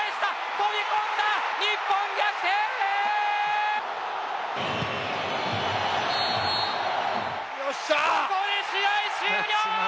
ここで試合終了。